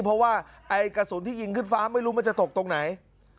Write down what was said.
เพราะว่าไอ้กระสุนที่ยิงขึ้นฟ้าไม่รู้มันจะตกตรงไหน